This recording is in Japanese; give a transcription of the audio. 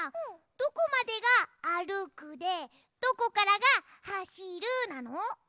どこまでがあるくでどこからがはしるなの？